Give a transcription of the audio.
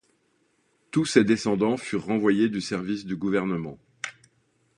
Tous ses descendants furent renvoyés du service du gouvernement.